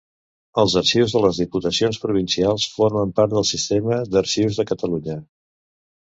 Els arxius de les diputacions provincials formen part del Sistema d'Arxius de Catalunya.